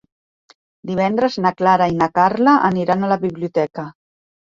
Divendres na Clara i na Carla aniran a la biblioteca.